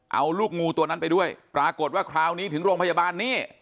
เอาลูกงูตัวนั้นไปด้วยปรากฏว่าคราวนี้ถึงโรงพยาบาลนี่